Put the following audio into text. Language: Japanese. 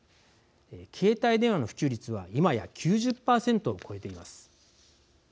携帯電話の普及率は今や９０％を超えています。